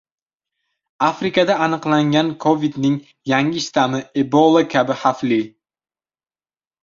Afrikada aniqlangan kovidning yangi shtammi “Ebola kabi xavfli”